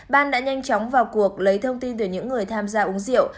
ban đã nhanh chóng vào cuộc lấy thông tin từ những người tham gia uống rượu